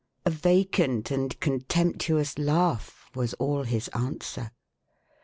A vacant and contemptuous laugh, was all his answer.